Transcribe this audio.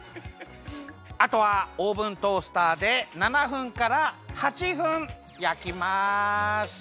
あとはオーブントースターで７分から８分やきます！